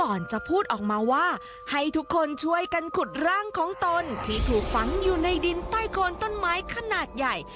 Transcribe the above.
จะพูดออกมาว่าให้ทุกคนช่วยกันขุดร่างของตนที่ถูกฝังอยู่ในดินใต้โคนต้นไม้ขนาดใหญ่